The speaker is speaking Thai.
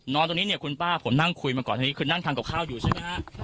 ตรงนี้เนี่ยคุณป้าผมนั่งคุยมาก่อนอันนี้คือนั่งทำกับข้าวอยู่ใช่ไหมฮะ